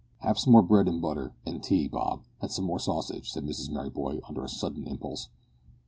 "Have some more bread and butter, and tea, Bob and some more sausage," said Mrs Merryboy, under a sudden impulse.